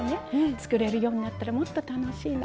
作れるようになったらもっと楽しいの。